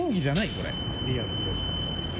これ。